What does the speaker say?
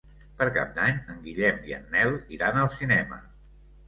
Per Cap d'Any en Guillem i en Nel iran al cinema.